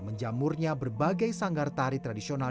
menjamurnya berbagai sanggar tari tradisional